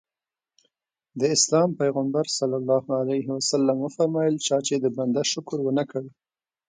د اسلام پیغمبر وفرمایل چا چې د بنده شکر ونه کړ.